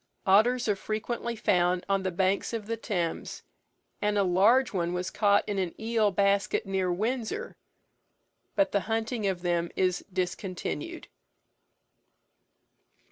Otters are frequently found on the banks of the Thames, and a large one was caught in an eel basket, near Windsor, but the hunting of them is discontinued.